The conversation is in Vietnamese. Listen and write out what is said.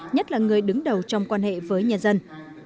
nhất là người đứng đầu trong quan hệ với nhân dân